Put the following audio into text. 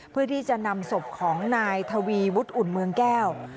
เพื่อที่จะนำศพของนายทวีวุฒิอุ่นเมืองแก้ว